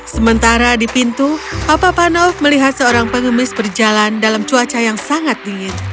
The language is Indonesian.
sementara di pintu papa panouf melihat seorang pengemis berjalan dalam cuaca yang sangat dingin